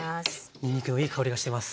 にんにくのいい香りがしてます。